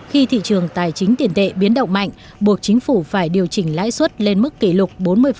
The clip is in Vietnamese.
khi thị trường tài chính tiền tệ biến động mạnh buộc chính phủ phải điều chỉnh lãi suất lên mức kỷ lục bốn mươi